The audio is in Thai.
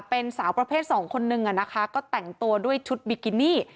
เป็นสาวประเภทสองคนนึงอะนะคะก็แต่งตัวด้วยชุดบิกินี่